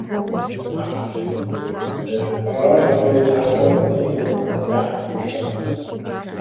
Аращ, ауэ… – и псалъэхэр ӏэщӏоху бжьыхьэм.